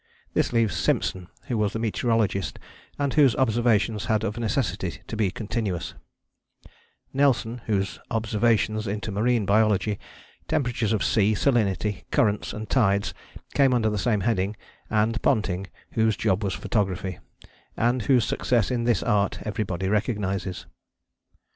This leaves Simpson, who was the meteorologist and whose observations had of necessity to be continuous; Nelson, whose observations into marine biology, temperatures of sea, salinity, currents and tides came under the same heading; and Ponting, whose job was photography, and whose success in this art everybody recognizes.